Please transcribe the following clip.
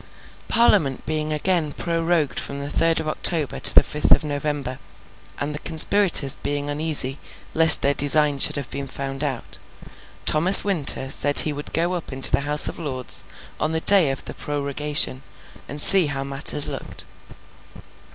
Parliament being again prorogued from the third of October to the fifth of November, and the conspirators being uneasy lest their design should have been found out, Thomas Winter said he would go up into the House of Lords on the day of the prorogation, and see how matters looked.